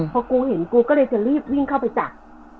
พอกูเห็นกูก็เลยจะรีบวิ่งเข้าไปจับ